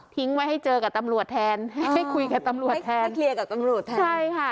ไว้ให้เจอกับตำรวจแทนให้คุยกับตำรวจแทนให้เคลียร์กับตำรวจแทนใช่ค่ะ